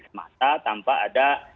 semata tanpa ada